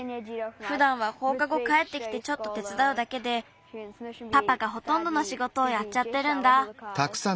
ふだんはほうかごかえってきてちょっとてつだうだけでパパがほとんどのしごとをやっちゃってるんだ。